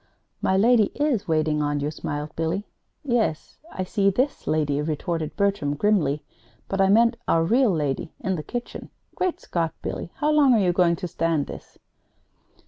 "My lady is waiting on you," smiled Billy. "Yes, I see this lady is," retorted Bertram, grimly; "but I mean our real lady in the kitchen. Great Scott, Billy, how long are you going to stand this?"